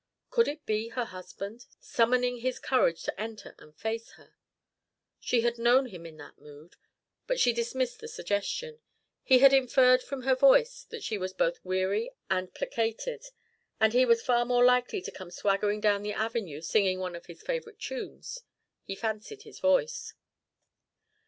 Could it be her husband, summoning his courage to enter and face her? She had known him in that mood. But she dismissed the suggestion. He had inferred from her voice that she was both weary and placated, and he was far more likely to come swaggering down the avenue singing one of his favourite tunes; he fancied his voice.